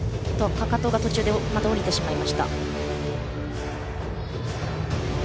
かかとが途中で下りてしまいました。